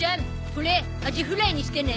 これアジフライにしてね。